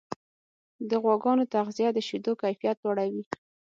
د غواګانو تغذیه د شیدو کیفیت لوړوي.